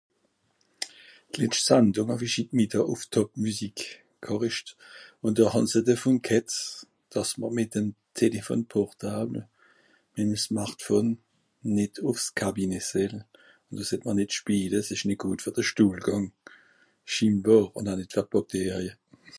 d'letsch Sandùng hàw'ìsch hit Mitdeu ùff TopMusic g'hòricht ùn dò han se dàvon g'hett dàss mr mìt'em Téléphone portable mìm à Smartphone nìt ùff s'Kabinet sell dò seit mr nìt schpiele s'esch nìt gut ver de (schtuhlgàng) ... ùn aw nìt ver d'Bàcterie